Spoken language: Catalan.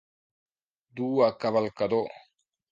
Dur a cavalcador.